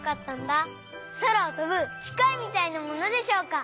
そらをとぶきかいみたいなものでしょうか？